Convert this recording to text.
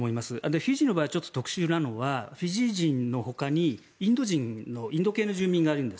フィジーの場合は特殊なのはフィジー人のほかにインド系の住民がいるんです。